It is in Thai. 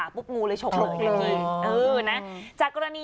ไม่